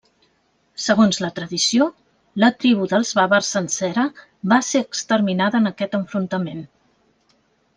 Segons la tradició, la tribu dels bàvars sencera va ser exterminada en aquest enfrontament.